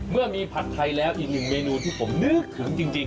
เมื่อมีผัดไทยแล้วอีกหนึ่งเมนูที่ผมนึกถึงจริง